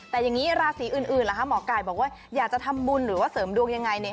แต่อย่างนี้ราศีอื่นล่ะคะหมอไก่บอกว่าอยากจะทำบุญหรือว่าเสริมดวงยังไงเนี่ย